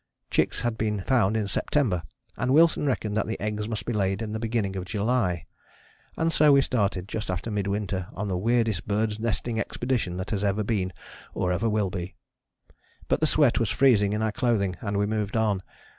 Chicks had been found in September, and Wilson reckoned that the eggs must be laid in the beginning of July. And so we started just after midwinter on the weirdest bird's nesting expedition that has ever been or ever will be. [Illustration: EMPERORS] But the sweat was freezing in our clothing and we moved on.